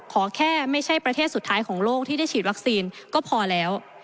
ขอแค่ไม่ใช่ประเทศสุดท้ายของโลกที่ได้ฉีดวัคซีนก็พอแล้ว